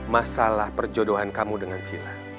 masalah perjodohan kamu dengan sila